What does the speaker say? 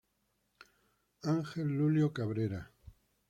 Ángel Lulio Cabrera.